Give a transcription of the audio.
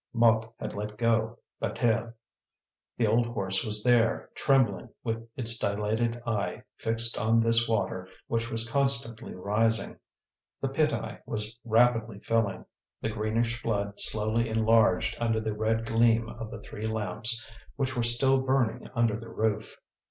Mouque had let go Bataille. The old horse was there, trembling, with its dilated eye fixed on this water which was constantly rising. The pit eye was rapidly filling; the greenish flood slowly enlarged under the red gleam of the three lamps which were still burning under the roof.